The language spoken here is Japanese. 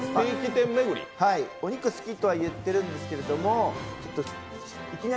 お肉好きとは言ってるんですけれども、いきなり！